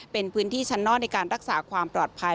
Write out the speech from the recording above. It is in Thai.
เป็นพื้นที่ชั้นนอกในการรักษาความปลอดภัย